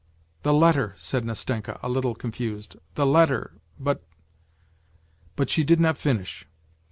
" The letter ..." said Nastenka, a little confused, " the letter ... but. ..." But she did not finish.